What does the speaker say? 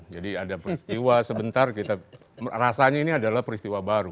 jadi ada peristiwa sebentar rasanya ini adalah peristiwa baru